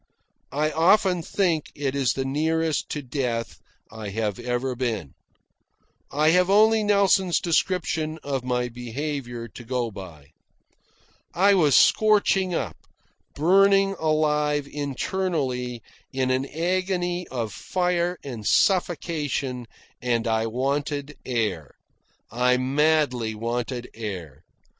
I often think it is the nearest to death I have ever been. I have only Nelson's description of my behaviour to go by. I was scorching up, burning alive internally, in an agony of fire and suffocation, and I wanted air. I madly wanted air.